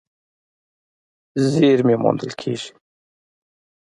زېرمې موندل کېږي.